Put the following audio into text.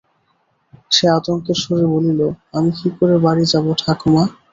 সে আতঙ্কের সুরে বলিল, আমি কি করে বাড়ি যাবো ঠাকমা!